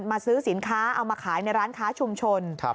มาซื้อสินค้าเอามาขายในร้านค้าชุมชน